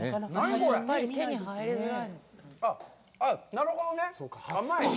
なるほどね。